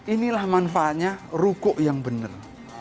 inilah manfaatnya ruko yang benar